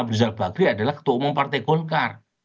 abu rizal bakri adalah ketua umum partai golkar